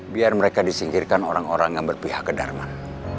biar mereka disingkirkan orang orang yang berpihak ke darman